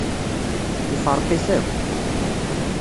Ifṛeq-it akk.